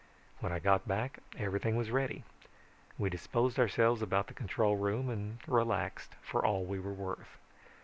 When I got back everything was ready. We disposed ourselves about the control room and relaxed for all we were worth.